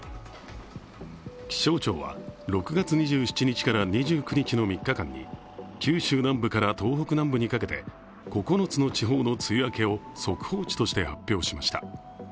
気象庁は６月２７日から２９日の３日間に九州南部から東北南部にかけて、９つの地方の梅雨明けを速報値として発表しました。